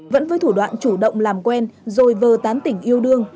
vẫn với thủ đoạn chủ động làm quen rồi vờ tán tỉnh yêu đương